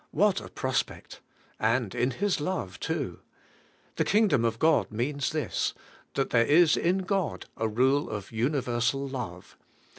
What a prospect! And in His love too. The Kingdom of God means this: that there is in God a rule of universal love.